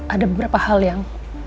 ada beberapa hal yang